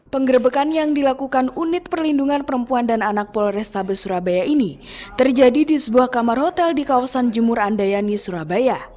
penggerbekan yang dilakukan unit perlindungan perempuan dan anak polrestabes surabaya ini terjadi di sebuah kamar hotel di kawasan jemur andayani surabaya